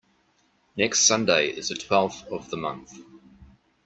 Next Sunday is the twelfth of the month.